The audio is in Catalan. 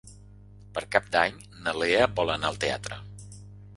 Per Cap d'Any na Lea vol anar al teatre.